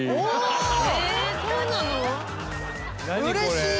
うれしい！